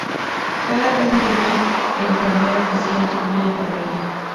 Cada Casa tiene una enfermera residente y una enfermería.